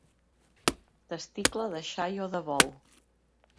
Testicle de xai o de bou.